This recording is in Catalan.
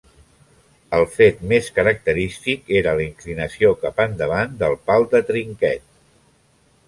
El fet més característic era la inclinació cap endavant del pal de trinquet.